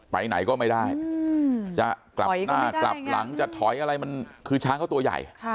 ไปไหนก็ไม่ได้จะกลับหน้ากลับหลังจะถอยอะไรมันคือช้างเขาตัวใหญ่